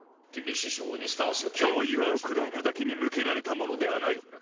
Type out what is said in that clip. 脅威はウクライナだけに向けられたものではない。